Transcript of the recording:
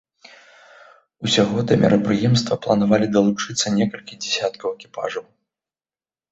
Усяго да мерапрыемства планавалі далучыцца некалькі дзясяткаў экіпажаў.